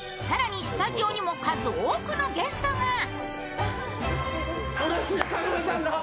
更にスタジオにも数多くのゲストが。